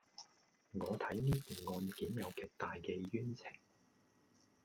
我睇呢件案有極大嘅冤情